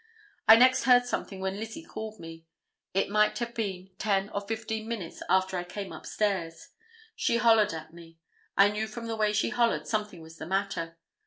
I next heard something when Lizzie called me. It might have been ten or fifteen minutes after I came upstairs. She hollored at me. I knew from the way she hollored something was the matter.